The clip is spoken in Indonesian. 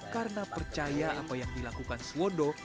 karena percaya apa yang dilakukan suwondo